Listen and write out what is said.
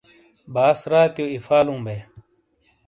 باس راتیو ایفا لوں بے۔